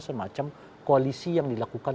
semacam koalisi yang dilakukan